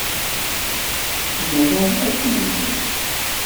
Nra akk Mhenni.